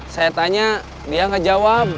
saya tanya dia ngejawab